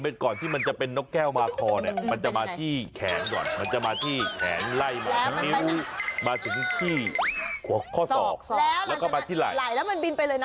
มันก่อนที่มันจะเป็นนกแก้วมาคอเนี่ยมันจะมาที่แขนก่อนมันจะมาที่แขนไล่หมองนิ้วมาถึงที่ข้อศอกแล้วก็มาที่ไหล่